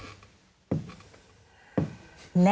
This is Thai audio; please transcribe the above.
แน่นะ